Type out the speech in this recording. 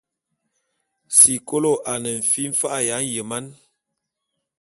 Sikolo ane fi mfa’a ya nyeman.